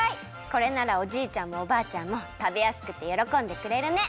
これならおじいちゃんもおばあちゃんもたべやすくてよろこんでくれるね。